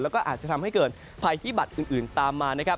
แล้วก็อาจจะทำให้เกิดภัยพิบัตรอื่นตามมานะครับ